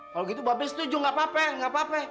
kalau gitu bebe setuju gak apa apa gak apa apa